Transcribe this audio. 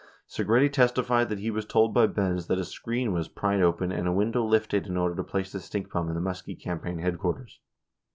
29 Segretti testified that he was told by Benz that a screen was pried open and a window lifted in order to place the stink bomb in the Muskie cam paign headquarters